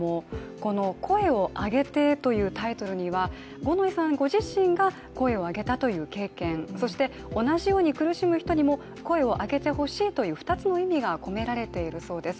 この「声をあげて」というタイトルには五ノ井さんご自身が声を上げたという経験そして、同じように苦しむ人にも声をあげてほしいという二つの意味が込められているそうです。